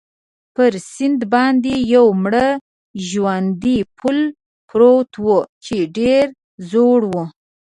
پر سیند باندې یو مړ ژواندی پل پروت وو، چې ډېر زوړ وو.